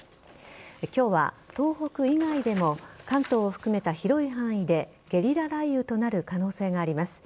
今日は東北以外でも関東を含めた広い範囲でゲリラ雷雨となる可能性があります。